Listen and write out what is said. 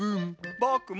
ぼくも。